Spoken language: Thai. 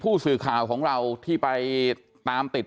ผู้สื่อข่าวของเราที่ไปตามติด